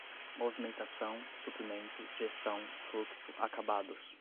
movimentação, suprimento, gestão, fluxo, acabados